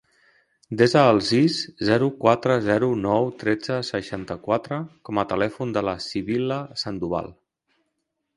Desa el sis, zero, quatre, zero, nou, tretze, seixanta-quatre com a telèfon de la Sibil·la Sandoval.